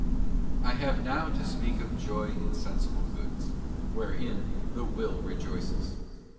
I HAVE now to speak of Joy in Sensible Goods, wherein the will rejoices.